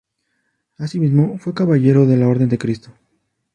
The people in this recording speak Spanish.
Asimismo, fue caballero de la Orden de Cristo.